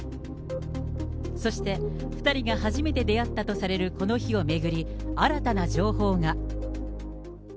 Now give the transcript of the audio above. そして、２人が初めて出会ったとされるこの日を巡り、新たな情報が。